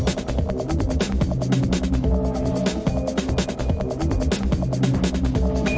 ถ่ายถ่ายแล้วนะ